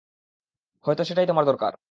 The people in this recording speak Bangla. হয়তো সেটাই তোমার দরকার।